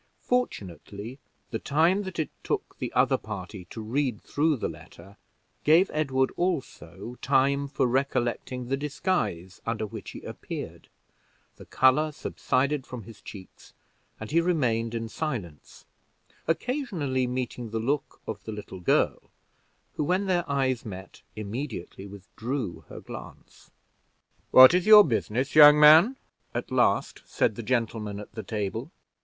Fortunately the time that it took the other party to read through the letter gave Edward also time for recollecting the disguise under which he appeared; the color subsided from his cheeks, and he remained in silence, occasionally meeting the look of the little girl, who, when their eyes met, immediately withdrew her glance. "What is your business, young man?" at last said the gentleman at the table.